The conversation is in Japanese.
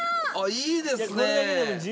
いいですね。